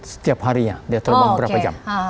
setiap harinya dia terbang berapa jam